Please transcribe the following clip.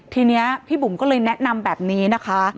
ทีนี้พี่บุ๋มก็เลยแนะนำแบบนี้นะคะ